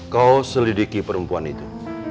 kau selidiki perempuan itu